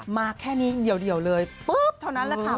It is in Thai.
มาแค่นี้เดี๋ยวเลยเพิ่งเท่านั้นแหละค่ะ